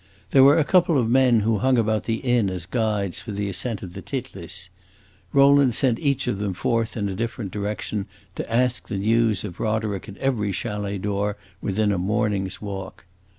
There were a couple of men who hung about the inn as guides for the ascent of the Titlis; Rowland sent each of them forth in a different direction, to ask the news of Roderick at every chalet door within a morning's walk.